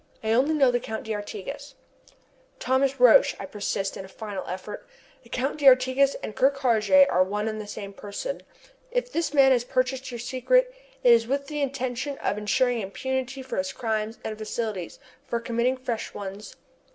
"I only know the Count d'Artigas." "Thomas Roch," I persist, in a final effort, "the Count d'Artigas and Ker Karraje are one and the same person. If this man has purchased your secret, it is with the intention of ensuring impunity for his crimes and facilities for committing fresh ones.